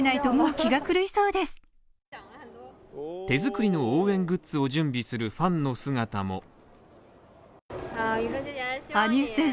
手作りの応援グッズを準備するファンの姿も。